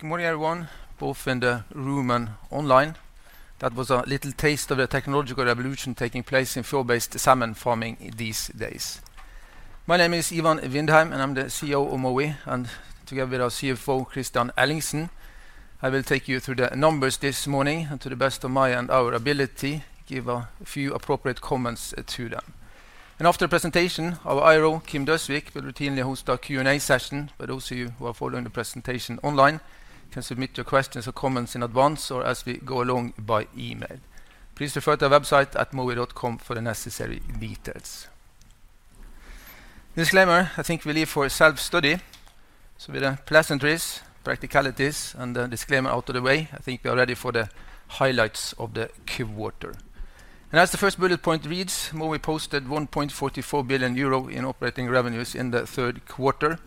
Good morning, everyone. Hope you're in the room and online. That was a little taste of the technological revolution taking place in sea-based salmon farming these days. My name is Ivan Vindheim, and I'm the CEO of Mowi, and together with our CFO, Kristian Ellingsen, I will take you through the numbers this morning and, to the best of my and our ability, give a few appropriate comments to them, and after the presentation, our IRO, Kim Dosvig, will routinely host a Q&A session, but those of you who are following the presentation online can submit your questions or comments in advance or as we go along by email. Please refer to our website at mowi.com for the necessary details. Disclaimer: I think we leave for self-study, so with the pleasantries, practicalities, and the disclaimer out of the way, I think we are ready for the highlights of the quarter. As the first bullet point reads, Mowi posted €1.44 billion in operating revenues in the third quarter,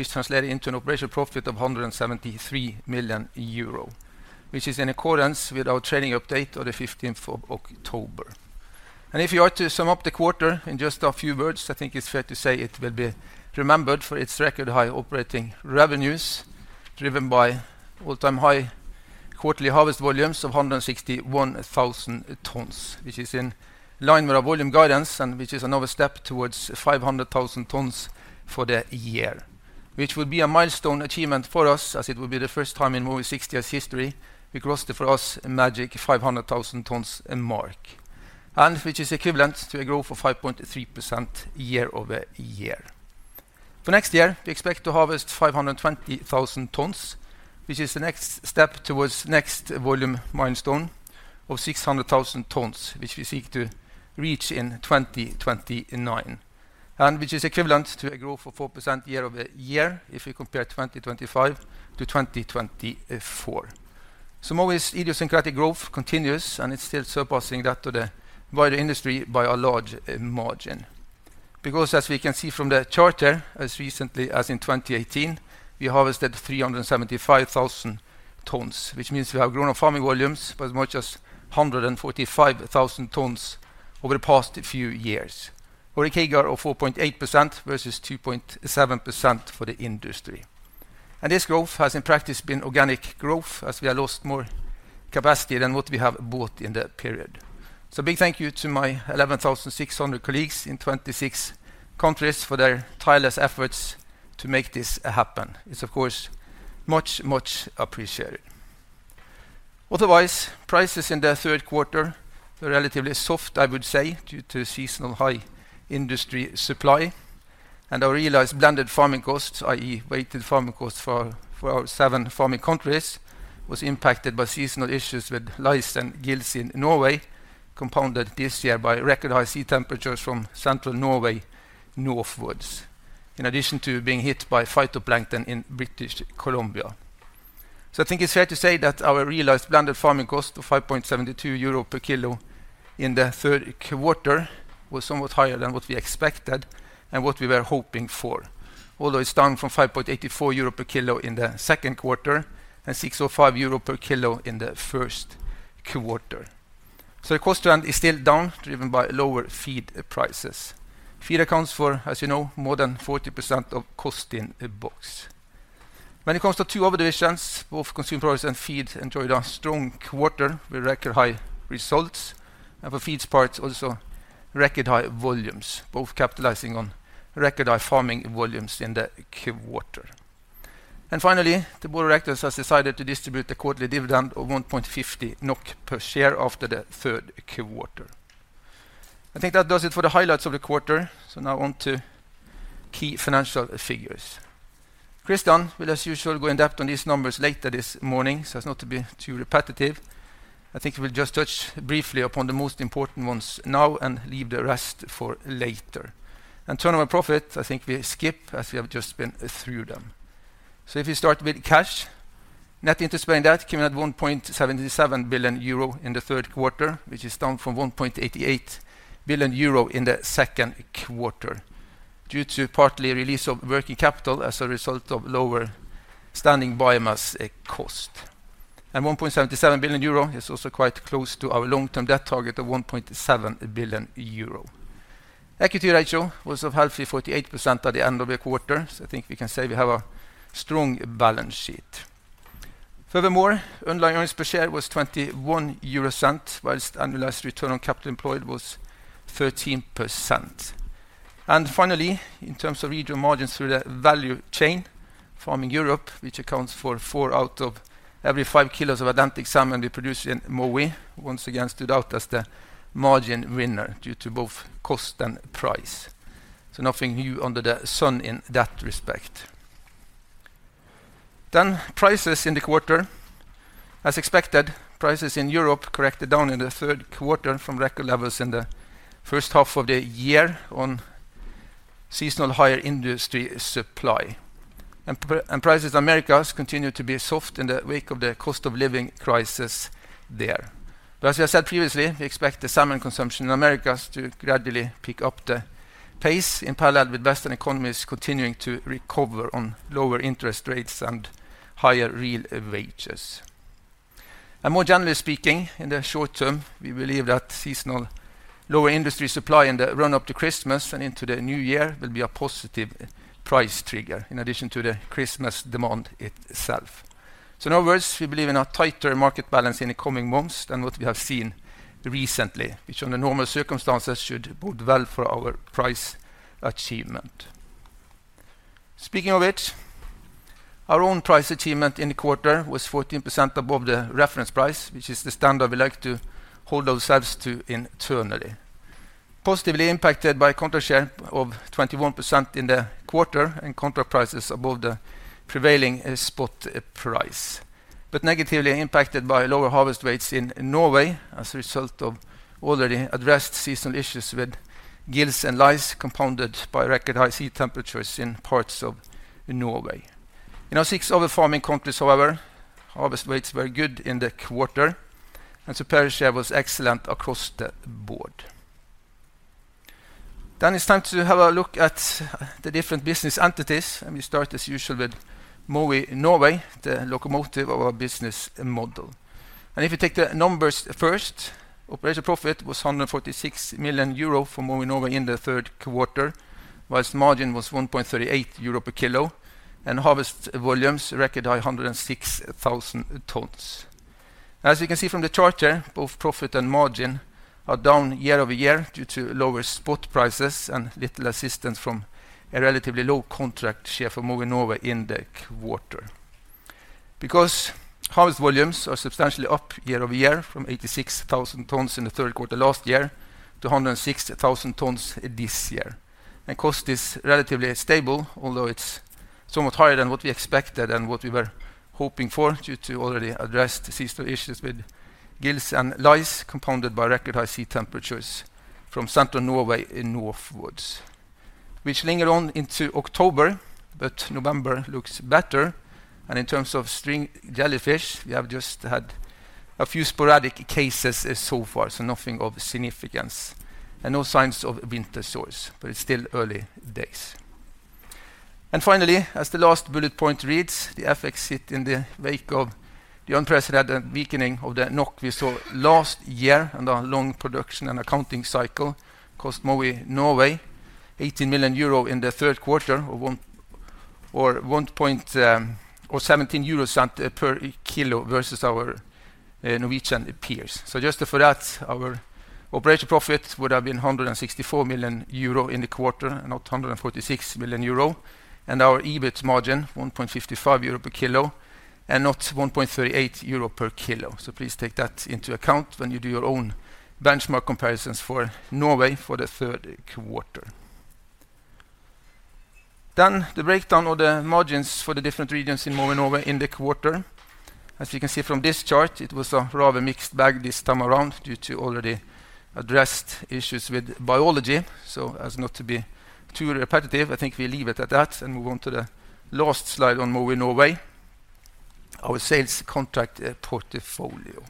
which translated into an operational profit of €173 million, which is in accordance with our trading update of the 15th of October. If you are to sum up the quarter in just a few words, I think it's fair to say it will be remembered for its record-high operating revenues, driven by all-time high quarterly harvest volumes of 161,000 tons, which is in line with our volume guidance and which is another step towards 500,000 tons for the year, which would be a milestone achievement for us, as it would be the first time in Mowi's 60 years' history we crossed the, for us, magic 500,000 tons mark, and which is equivalent to a growth of 5.3% year over year. For next year, we expect to harvest 520,000 tons, which is the next step towards the next volume milestone of 600,000 tons, which we seek to reach in 2029, and which is equivalent to a growth of 4% year over year if we compare 2025 to 2024. So Mowi's idiosyncratic growth continues, and it's still surpassing that of the wider industry by a large margin. Because, as we can see from the chart, as recently as in 2018, we harvested 375,000 tons, which means we have grown our farming volumes by as much as 145,000 tons over the past few years, or a CAGR of 4.8% versus 2.7% for the industry, and this growth has in practice been organic growth, as we have lost more capacity than what we have bought in that period. So a big thank you to my 11,600 colleagues in 26 countries for their tireless efforts to make this happen. It's, of course, much, much appreciated. Otherwise, prices in the third quarter were relatively soft, I would say, due to seasonal high industry supply, and our realized blended farming costs, i.e., weighted farming costs for our seven farming countries, were impacted by seasonal issues with lice and gills in Norway, compounded this year by record-high sea temperatures from central Norway northwards, in addition to being hit by phytoplankton in British Columbia. So I think it's fair to say that our realized blended farming cost of 5.72 euro per kilo in the third quarter was somewhat higher than what we expected and what we were hoping for, although it's down from 5.84 euro per kilo in the second quarter and 6.05 euro per kilo in the first quarter. The cost trend is still down, driven by lower feed prices. Feed accounts for, as you know, more than 40% of cost in box. When it comes to two other divisions, both consumer products and feed enjoyed a strong quarter with record-high results, and for feed parts, also record-high volumes, both capitalizing on record-high farming volumes in the quarter. And finally, the board of directors has decided to distribute a quarterly dividend of EUR 1.50 per share after the third quarter. I think that does it for the highlights of the quarter, so now on to key financial figures. Kristian, we'll, as usual, go in depth on these numbers later this morning, so as not to be too repetitive, I think we'll just touch briefly upon the most important ones now and leave the rest for later. Turnover profits, I think we skip, as we have just been through them. So if we start with cash, net interest-bearing debt came in at 1.77 billion euro in the third quarter, which is down from 1.88 billion euro in the second quarter, due to partly the release of working capital as a result of lower standing biomass cost. And 1.77 billion euro is also quite close to our long-term debt target of 1.7 billion euro. Equity ratio was of healthy 48% at the end of the quarter, so I think we can say we have a strong balance sheet. Furthermore, underlying earnings per share was 21 euro, while annualized return on capital employed was 13%. Finally, in terms of regional margins through the value chain, Farming Europe, which accounts for four out of every five kilos of Atlantic salmon we produce in Mowi, once again stood out as the margin winner due to both cost and price. Nothing new under the sun in that respect. Prices in the quarter. As expected, prices in Europe corrected down in the third quarter from record levels in the first half of the year on seasonal higher industry supply. Prices in America continued to be soft in the wake of the cost of living crisis there. As I said previously, we expect the salmon consumption in America to gradually pick up the pace in parallel with Western economies continuing to recover on lower interest rates and higher real wages. More generally speaking, in the short term, we believe that seasonal lower industry supply in the run-up to Christmas and into the new year will be a positive price trigger, in addition to the Christmas demand itself. So in other words, we believe in a tighter market balance in the coming months than what we have seen recently, which under normal circumstances should bode well for our price achievement. Speaking of which, our own price achievement in the quarter was 14% above the reference price, which is the standard we like to hold ourselves to internally, positively impacted by a contract share of 21% in the quarter and contract prices above the prevailing spot price, but negatively impacted by lower harvest rates in Norway as a result of already addressed seasonal issues with gills and lice compounded by record-high sea temperatures in parts of Norway. In our six other farming countries, however, harvest rates were good in the quarter, and supply share was excellent across the board. Then it's time to have a look at the different business entities, and we start, as usual, with Mowi Norway, the locomotive of our business model. And if we take the numbers first, operating profit was 146 million euro for Mowi Norway in the third quarter, while margin was 1.38 euro per kilo, and harvest volumes record high 106,000. As you can see from the chart, both profit and margin are down year over year due to lower spot prices and little assistance from a relatively low contract share for Mowi Norway in the quarter. Because harvest volumes are substantially up year over year, from 86,000 tons in the third quarter last year to 106,000 tons this year. Cost is relatively stable, although it's somewhat higher than what we expected and what we were hoping for due to already addressed seasonal issues with gills and lice compounded by record-high sea temperatures from central Norway northwards, which linger on into October, but November looks better. In terms of string jellyfish, we have just had a few sporadic cases so far, so nothing of significance and no signs of winter sores, but it's still early days. Finally, as the last bullet point reads, the effects hit in the wake of the unprecedented weakening of the NOK we saw last year and the long production and accounting cycle cost Mowi Norway €18 million in the third quarter or €1.17 per kilo versus our Norwegian peers. Just before that, our operating profit would have been 164 million euro in the quarter, not 146 million euro, and our EBIT margin 1.55 euro per kilo and not 1.38 euro per kilo. Please take that into account when you do your own benchmark comparisons for Norway for the third quarter. Then the breakdown of the margins for the different regions in Mowi Norway in the quarter. As you can see from this chart, it was a rather mixed bag this time around due to already addressed issues with biology. As not to be too repetitive, I think we leave it at that and move on to the last slide on Mowi Norway, our sales contract portfolio.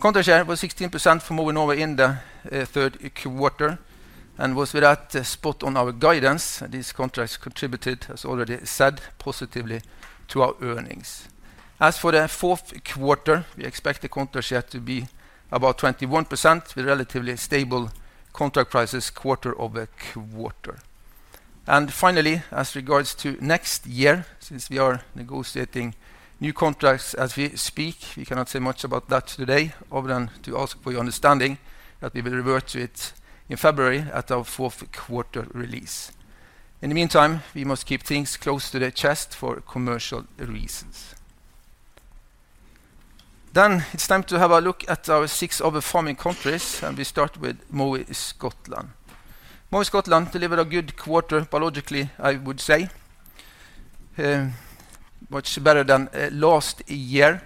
Contract share was 16% for Mowi Norway in the third quarter and was without spot on our guidance. These contracts contributed, as already said, positively to our earnings. As for the fourth quarter, we expect the contract share to be about 21% with relatively stable contract prices quarter over quarter, and finally, as regards to next year, since we are negotiating new contracts as we speak, we cannot say much about that today other than to ask for your understanding that we will revert to it in February at our fourth quarter release. In the meantime, we must keep things close to the chest for commercial reasons, then it's time to have a look at our six other farming countries, and we start with Mowi Scotland. Mowi Scotland delivered a good quarter biologically, I would say, much better than last year,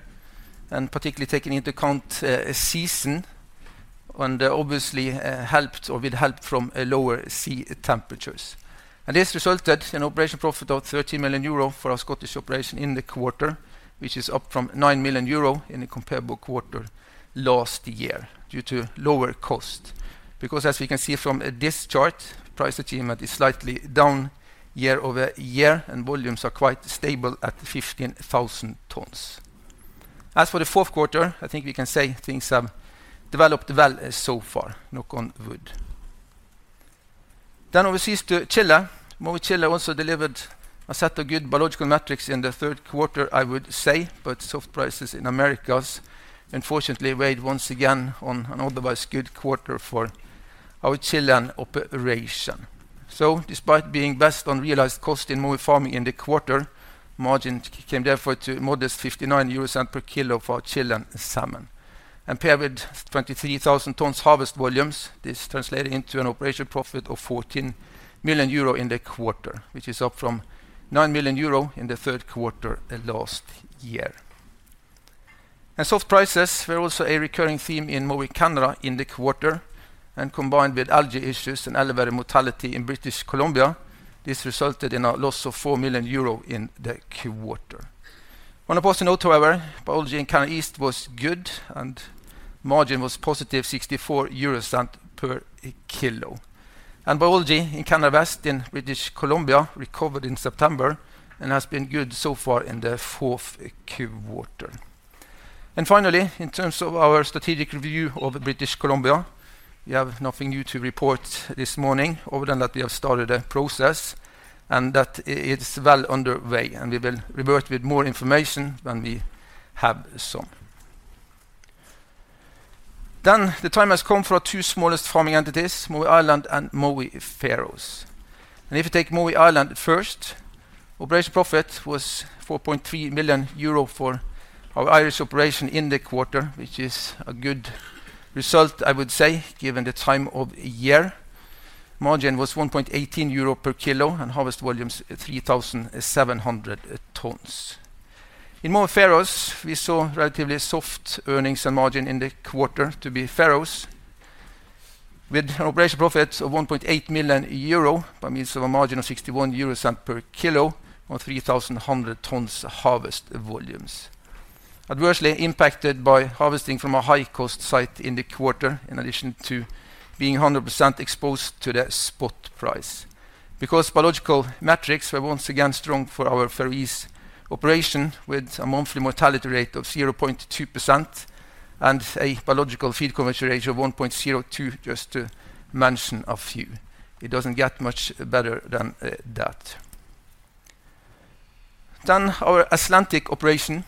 and particularly taking into account season, and obviously helped or with help from lower sea temperatures. This resulted in an operating profit of €13 million for our Scottish operation in the quarter, which is up from €9 million in a comparable quarter last year due to lower cost. Because as we can see from this chart, price achievement is slightly down year over year, and volumes are quite stable at 15,000 tons. As for the fourth quarter, I think we can say things have developed well so far, NOK on wood. Overseas to Chile, Mowi Chile also delivered a set of good biological metrics in the third quarter, I would say, but soft prices in America unfortunately weighed once again on an otherwise good quarter for our Chilean operation. Despite being best on realized cost in Mowi farming in the quarter, margin came therefore to a modest €59 per kilo for Chilean salmon. Paired with 23,000 tons harvest volumes, this translated into an operational profit of 14 million euro in the quarter, which is up from 9 million euro in the third quarter last year. Soft prices were also a recurring theme in Mowi Canada in the quarter, and combined with algae issues and elevated mortality in British Columbia, this resulted in a loss of 4 million euro in the quarter. On a positive note, however, biology in Canada East was good, and margin was positive 64 euros per kilo. Biology in Canada West in British Columbia recovered in September and has been good so far in the fourth quarter. Finally, in terms of our strategic review of British Columbia, we have nothing new to report this morning other than that we have started a process and that it's well underway, and we will revert with more information when we have some. Then the time has come for our two smallest farming entities, Mowi Ireland and Mowi Faroes. And if we take Mowi Ireland first, operating profit was 4.3 million euro for our Irish operation in the quarter, which is a good result, I would say, given the time of year. Margin was 1.18 euro per kilo and harvest volumes 3,700 tons. In Mowi Faroes, we saw relatively soft earnings and margin in the quarter for Faroes, with an operating profit of 1.8 million euro with a margin of 0.61 euros per kilo on 3,100 tons harvest volumes. Adversely impacted by harvesting from a high-cost site in the quarter, in addition to being 100% exposed to the spot price. Because biological metrics were once again strong for our Faroese operation, with a monthly mortality rate of 0.2% and a biological feed conversion ratio of 1.02, just to mention a few. It doesn't get much better than that. Then our Atlantic operations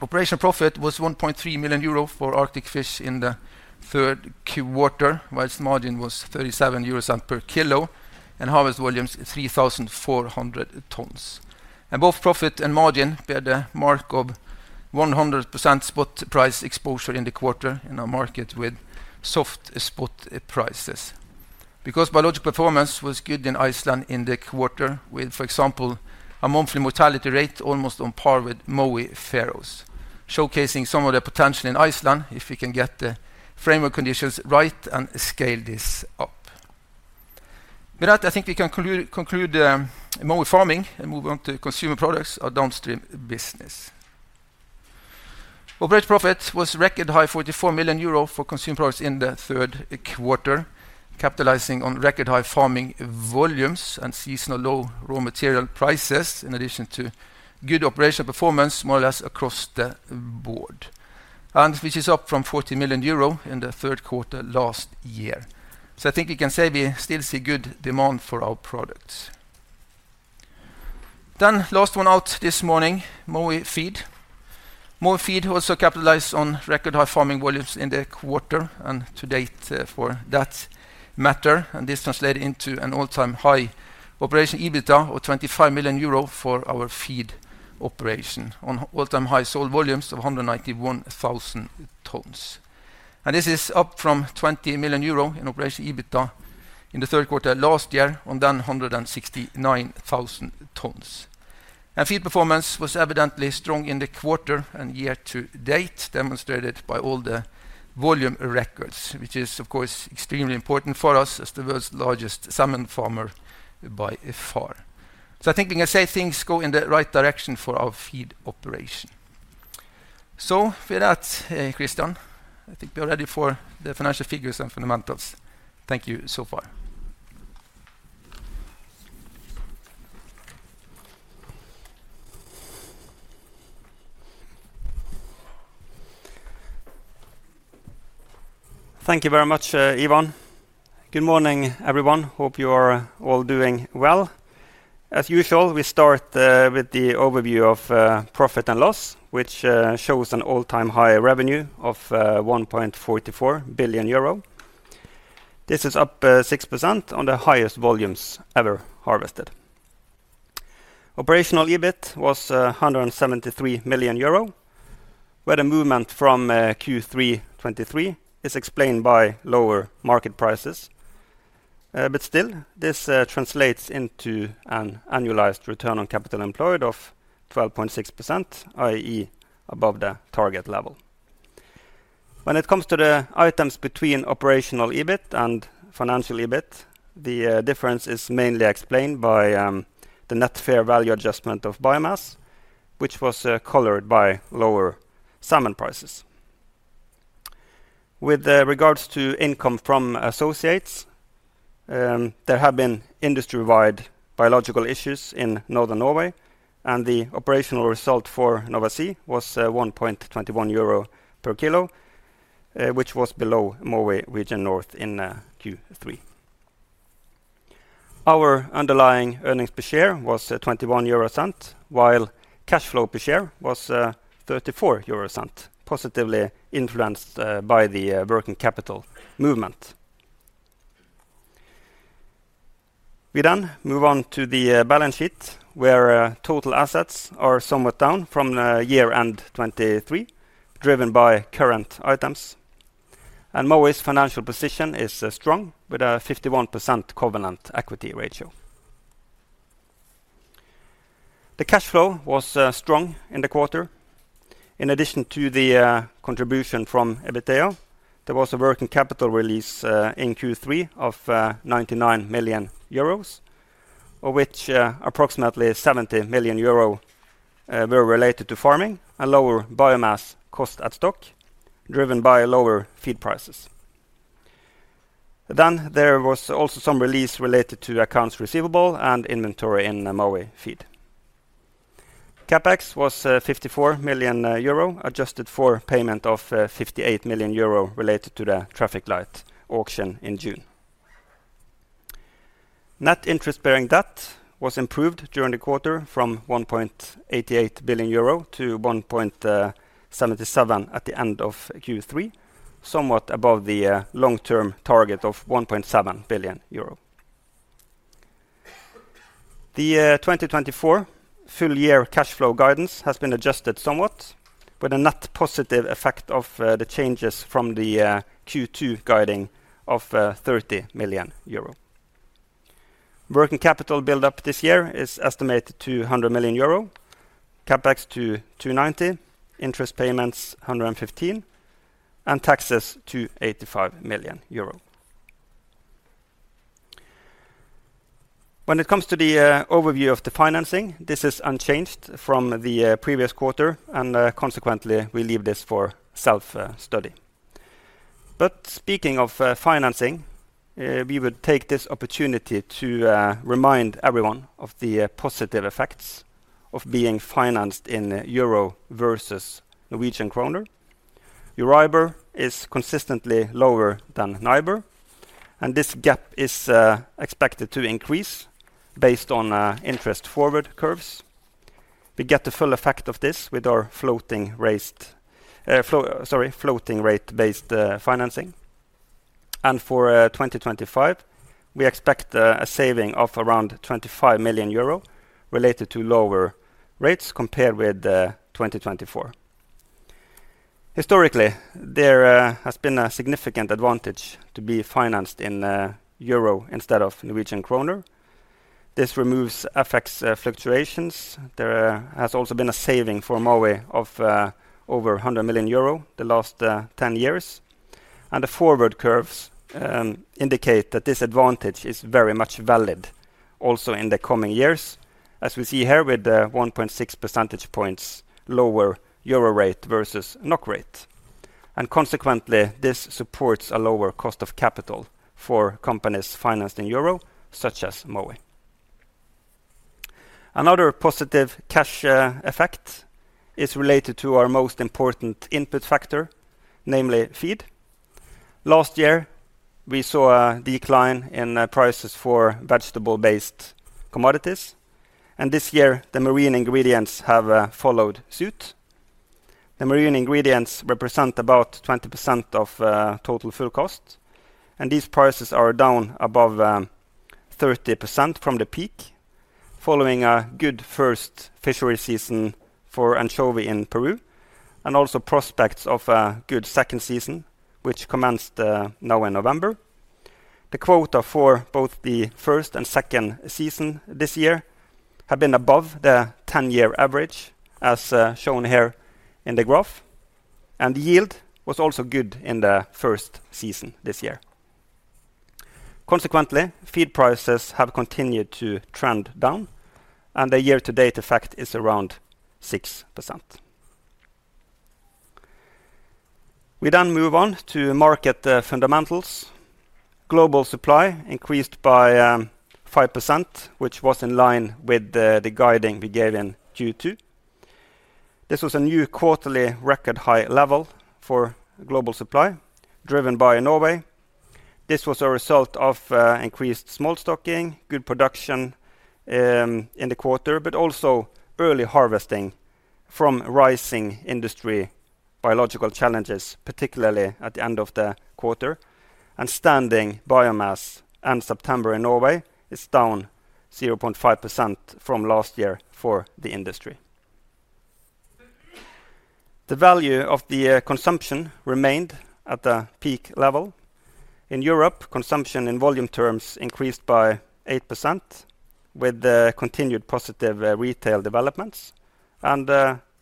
operating profit was 1.3 million euro for Arctic Fish in the third quarter, while its margin was 37 euros per kilo and harvest volumes 3,400 tons, and both profit and margin bear the mark of 100% spot price exposure in the quarter in our market with soft spot prices. Because biological performance was good in Iceland in the quarter, with, for example, a monthly mortality rate almost on par with Mowi Faroes, showcasing some of the potential in Iceland if we can get the framework conditions right and scale this up. With that, I think we can conclude Mowi farming and move on to consumer products, our downstream business. Operating profit was record high 44 million euro for Consumer Products in the third quarter, capitalizing on record high farming volumes and seasonal low raw material prices, in addition to good operational performance more or less across the board, and which is up from 40 million euro in the third quarter last year. So I think we can say we still see good demand for our products. Then last one out this morning, Mowi Feed. Mowi Feed also capitalized on record high farming volumes in the quarter and to date for that matter, and this translated into an all-time high operational EBITDA of 25 million euro for our feed operation on all-time high sold volumes of 191,000 tons. And this is up from 20 million euro in operational EBITDA in the third quarter last year on then 169,000 tons. And feed performance was evidently strong in the quarter and year to date, demonstrated by all the volume records, which is, of course, extremely important for us as the world's largest salmon farmer by far. So I think we can say things go in the right direction for our feed operation. So with that, Kristian, I think we are ready for the financial figures and fundamentals. Thank you so far. Thank you very much, Ivan. Good morning, everyone. Hope you are all doing well. As usual, we start with the overview of profit and loss, which shows an all-time high revenue of 1.44 billion euro. This is up 6% on the highest volumes ever harvested. Operational EBIT was 173 million euro, where the movement from Q3 2023 is explained by lower market prices. But still, this translates into an annualized return on capital employed of 12.6%, i.e., above the target level. When it comes to the items between operational EBIT and financial EBIT, the difference is mainly explained by the net fair value adjustment of biomass, which was colored by lower salmon prices. With regards to income from associates, there have been industry-wide biological issues in northern Norway, and the operational result for Nova Sea was 1.21 euro per kilo, which was below Mowi Region North in Q3. Our underlying earnings per share was 21 euro, while cash flow per share was 34 euro, positively influenced by the working capital movement. We then move on to the balance sheet, where total assets are somewhat down from year-end 2023, driven by current items. And Mowi's financial position is strong with a 51% covenant equity ratio. The cash flow was strong in the quarter. In addition to the contribution from EBITDA, there was a working capital release in Q3 of 99 million euros, of which approximately 70 million euro were related to farming and lower biomass cost at stock, driven by lower feed prices. Then there was also some release related to accounts receivable and inventory in Mowi feed. CapEx was 54 million euro, adjusted for payment of 58 million euro related to the Traffic Light auction in June. Net interest-bearing debt was improved during the quarter from 1.88 billion euro to 1.77 at the end of Q3, somewhat above the long-term target of 1.7 billion euro. The 2024 full-year cash flow guidance has been adjusted somewhat, with a net positive effect of the changes from the Q2 guiding of 30 million euro. Working capital buildup this year is estimated to 100 million euro, CapEx to 290, interest payments 115, and taxes to 85 million euro. When it comes to the overview of the financing, this is unchanged from the previous quarter, and consequently, we leave this for self-study. But speaking of financing, we would take this opportunity to remind everyone of the positive effects of being financed in euro versus Norwegian kroner. Euribor is consistently lower than Nibor, and this gap is expected to increase based on interest forward curves. We get the full effect of this with our floating rate-based financing. And for 2025, we expect a saving of around 25 million euro related to lower rates compared with 2024. Historically, there has been a significant advantage to be financed in euro instead of Norwegian kroner. This removes FX fluctuations. There has also been a saving for Mowi of over 100 million euro the last 10 years. And the forward curves indicate that this advantage is very much valid also in the coming years, as we see here with the 1.6 percentage points lower euro rate versus NOK rate. And consequently, this supports a lower cost of capital for companies financed in euro, such as Mowi. Another positive cash effect is related to our most important input factor, namely feed. Last year, we saw a decline in prices for vegetable-based commodities, and this year, the marine ingredients have followed suit. The marine ingredients represent about 20% of total food cost, and these prices are down above 30% from the peak, following a good first fishery season for anchovy in Peru, and also prospects of a good second season, which commenced now in November. The quota for both the first and second season this year have been above the 10-year average, as shown here in the graph. The yield was also good in the first season this year. Consequently, feed prices have continued to trend down, and the year-to-date effect is around 6%. We then move on to market fundamentals. Global supply increased by 5%, which was in line with the guiding we gave in Q2. This was a new quarterly record high level for global supply, driven by Norway. This was a result of increased small stocking, good production in the quarter, but also early harvesting from rising industry biological challenges, particularly at the end of the quarter. Standing biomass end September in Norway is down 0.5% from last year for the industry. The value of the consumption remained at the peak level. In Europe, consumption in volume terms increased by 8%, with continued positive retail developments and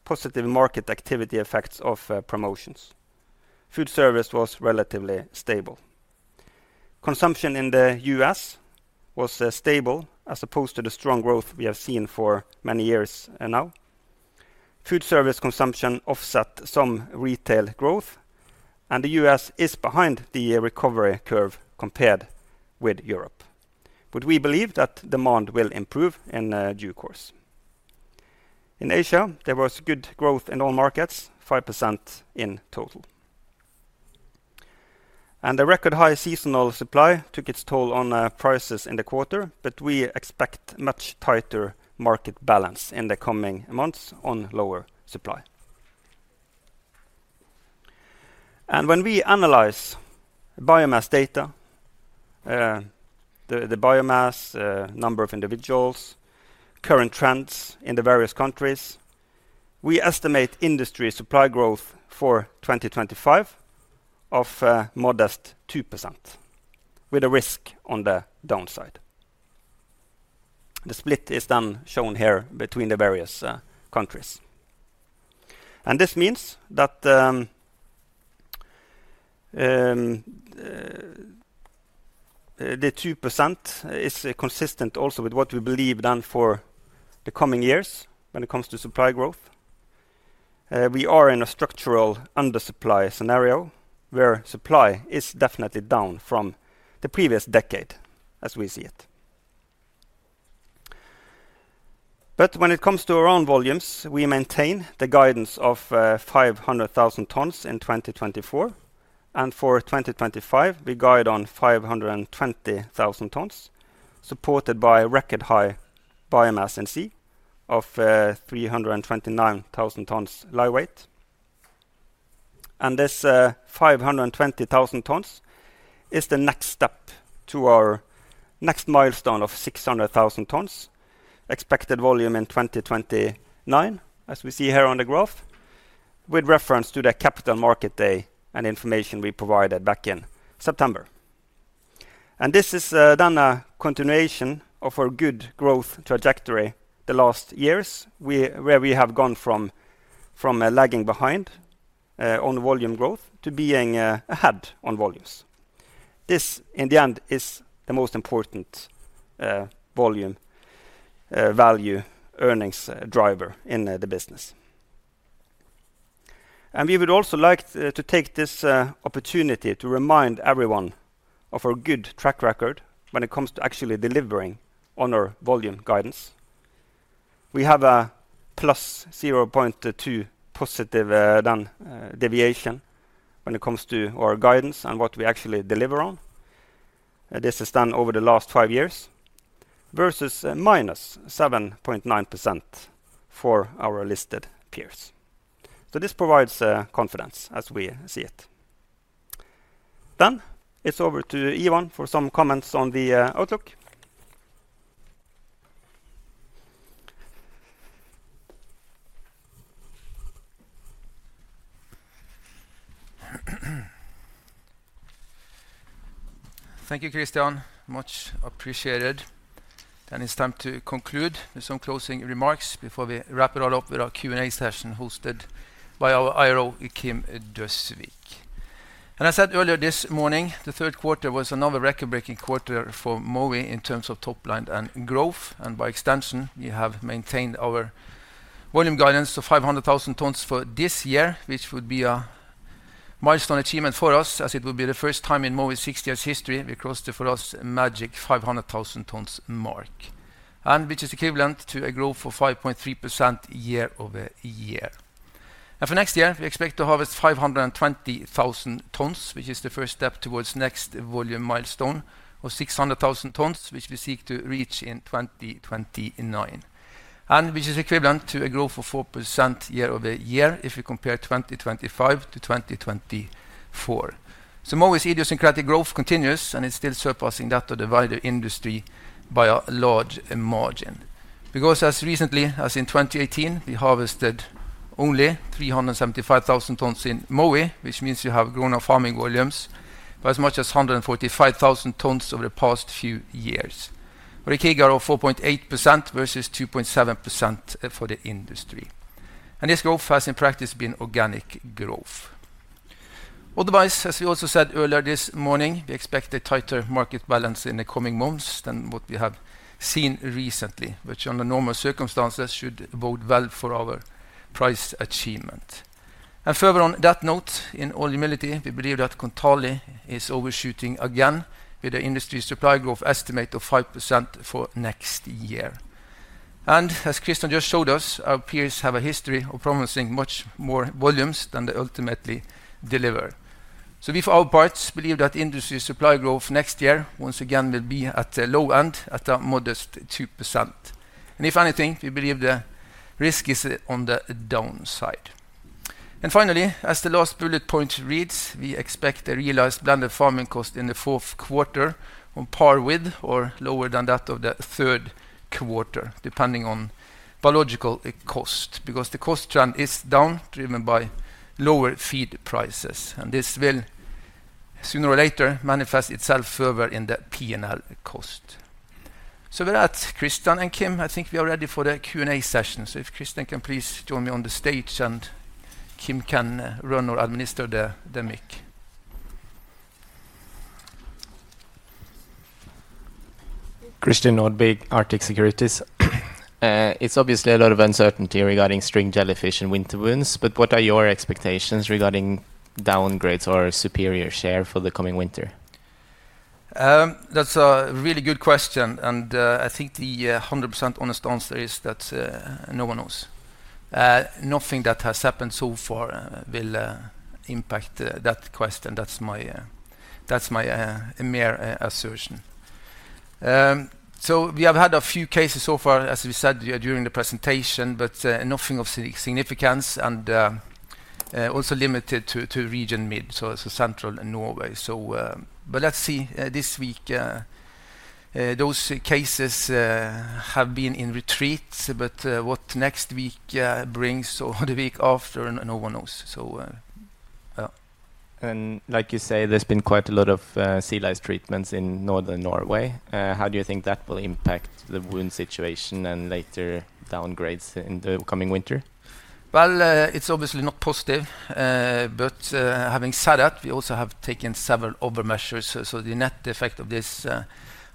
positive market activity effects of promotions. Food service was relatively stable. Consumption in the U.S. was stable, as opposed to the strong growth we have seen for many years now. Food service consumption offset some retail growth, and the U.S. is behind the recovery curve compared with Europe, but we believe that demand will improve in due course. In Asia, there was good growth in all markets, 5% in total, and the record high seasonal supply took its toll on prices in the quarter, but we expect much tighter market balance in the coming months on lower supply, and when we analyze biomass data, the biomass number of individuals, current trends in the various countries, we estimate industry supply growth for 2025 of modest 2%, with a risk on the downside. The split is then shown here between the various countries. This means that the 2% is consistent also with what we believe then for the coming years when it comes to supply growth. We are in a structural undersupply scenario, where supply is definitely down from the previous decade, as we see it. When it comes to around volumes, we maintain the guidance of 500,000 tons in 2024, and for 2025, we guide on 520,000 tons, supported by record high biomass in sea of 329,000 tons live weight. This 520,000 tons is the next step to our next milestone of 600,000 tons, expected volume in 2029, as we see here on the graph, with reference to the Capital Markets Day and information we provided back in September. This is then a continuation of our good growth trajectory the last years, where we have gone from lagging behind on volume growth to being ahead on volumes. This, in the end, is the most important volume value earnings driver in the business. We would also like to take this opportunity to remind everyone of our good track record when it comes to actually delivering on our volume guidance. We have a plus 0.2% positive deviation when it comes to our guidance and what we actually deliver on. This is done over the last five years versus minus 7.9% for our listed peers. This provides confidence, as we see it. It is over to Ivan for some comments on the outlook. Thank you, Kristian. Much appreciated. It is time to conclude with some closing remarks before we wrap it all up with our Q&A session hosted by our IRO, Kim Dosvig. As I said earlier this morning, the third quarter was another record-breaking quarter for Mowi in terms of top line and growth. By extension, we have maintained our volume guidance to 500,000 tons for this year, which would be a milestone achievement for us, as it would be the first time in Mowi's 60 years' history we crossed the, for us, magic 500,000 tons mark, and which is equivalent to a growth of 5.3% year over year. For next year, we expect to harvest 520,000 tons, which is the first step towards next volume milestone of 600,000 tons, which we seek to reach in 2029, and which is equivalent to a growth of 4% year over year if we compare 2025 to 2024. Mowi's idiosyncratic growth continues, and it's still surpassing that of the wider industry by a large margin. Because as recently as in 2018, we harvested only 375,000 tons in Mowi, which means you have grown our farming volumes by as much as 145,000 tons over the past few years, with a CAGR of 4.8% versus 2.7% for the industry. And this growth has in practice been organic growth. Otherwise, as we also said earlier this morning, we expect a tighter market balance in the coming months than what we have seen recently, which under normal circumstances should bode well for our price achievement. And further on that note, in all humility, we believe that Kontali is overshooting again with the industry supply growth estimate of 5% for next year. And as Kristian just showed us, our peers have a history of promising much more volumes than they ultimately deliver. We, for our parts, believe that industry supply growth next year once again will be at the low end, at a modest 2%. If anything, we believe the risk is on the downside. Finally, as the last bullet point reads, we expect a realized blended farming cost in the fourth quarter on par with or lower than that of the third quarter, depending on biological cost, because the cost trend is down, driven by lower feed prices. This will, sooner or later, manifest itself further in the P&L cost. With that, Kristian and Kim, I think we are ready for the Q&A session. If Kristian can please join me on the stage and Kim can run or administer the mic. Christian Nordby, Arctic Securities. It's obviously a lot of uncertainty regarding string jellyfish and winter sores, but what are your expectations regarding downgrades or superior share for the coming winter? That's a really good question, and I think the 100% honest answer is that no one knows. Nothing that has happened so far will impact that question. That's my mere assertion. So we have had a few cases so far, as we said during the presentation, but nothing of significance and also limited to Region Mid, so central Norway. But let's see this week, those cases have been in retreat, but what next week brings or the week after, no one knows. And like you say, there's been quite a lot of sea lice treatments in northern Norway. How do you think that will impact the sore situation and later downgrades in the coming winter? It's obviously not positive, but having said that, we also have taken several other measures. So the net effect of this,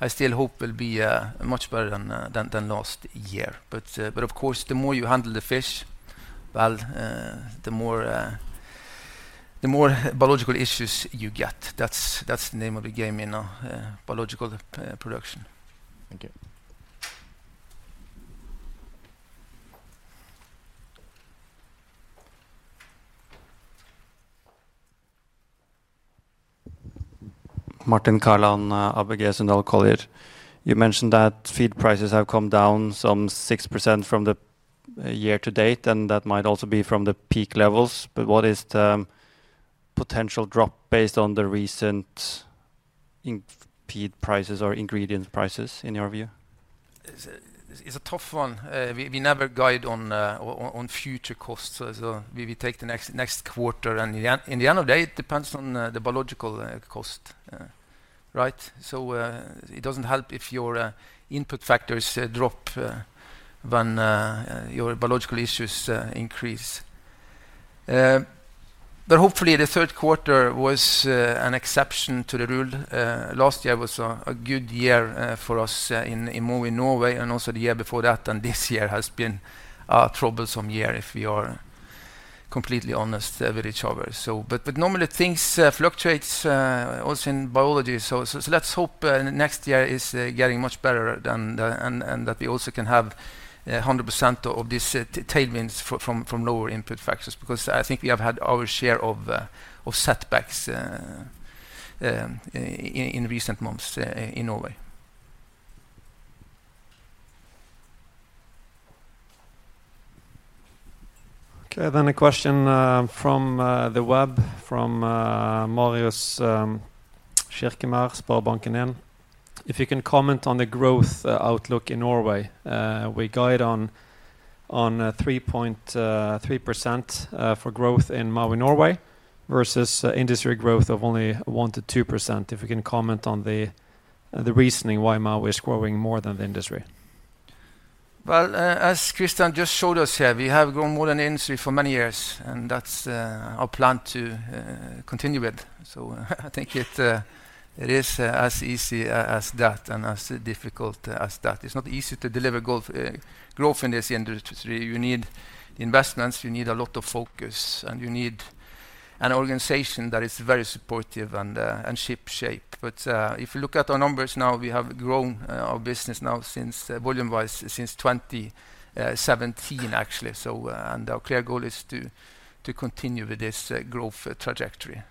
I still hope, will be much better than last year. But of course, the more you handle the fish, the more biological issues you get. That's the name of the game in biological production. Thank you. Martin Kaland, ABG Sundal Collier. You mentioned that feed prices have come down some 6% from the year to date, and that might also be from the peak levels. But what is the potential drop based on the recent feed prices or ingredient prices, in your view? It's a tough one. We never guide on future costs. So we take the next quarter, and at the end of the day, it depends on the biological cost, right? So it doesn't help if your input factors drop when your biological issues increase. But hopefully, the third quarter was an exception to the rule. Last year was a good year for us in Mowi, Norway, and also the year before that, and this year has been a troublesome year, if we are completely honest with each other. But normally, things fluctuate also in biology. So let's hope next year is getting much better and that we also can have 100% of these tailwinds from lower input factors, because I think we have had our share of setbacks in recent months in Norway. Okay, then a question from the web from Marius Skjerkemar, Sparebank 1. If you can comment on the growth outlook in Norway. We guide on 3.3% for growth in Mowi Norway versus industry growth of only 1%-2%. If you can comment on the reasoning why Mowi is growing more than the industry. Well, as Kristian just showed us here, we have grown more than the industry for many years, and that's our plan to continue with. So I think it is as easy as that and as difficult as that. It's not easy to deliver growth in this industry. You need investments, you need a lot of focus, and you need an organization that is very supportive and ship-shape. But if you look at our numbers now, we have grown our business now since volume-wise since 2017, actually. And our clear goal is to continue with this growth trajectory.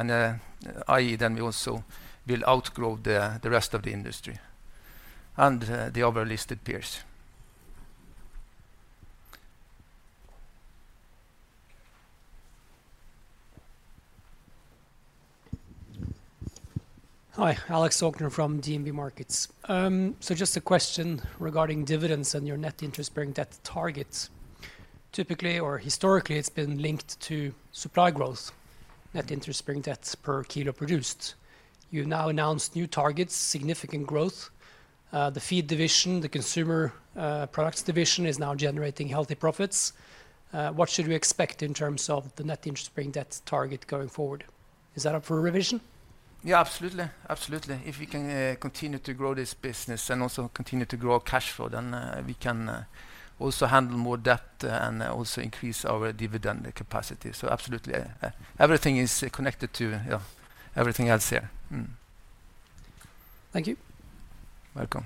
And i.e., then we also will outgrow the rest of the industry and the other listed peers. Hi, Alexander Aukner from DNB Markets. So just a question regarding dividends and your net interest-bearing debt targets. Typically, or historically, it's been linked to supply growth, net interest-bearing debt per kilo produced. You've now announced new targets, significant growth. The feed division, the consumer products division, is now generating healthy profits. What should we expect in terms of the net interest-bearing debt target going forward? Is that up for revision? Yeah, absolutely. Absolutely. If we can continue to grow this business and also continue to grow cash flow, then we can also handle more debt and also increase our dividend capacity. So absolutely, everything is connected to everything else here. Thank you. Welcome.